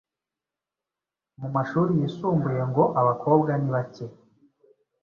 Mu mashuri yisumbuye ngo abakobwa nibake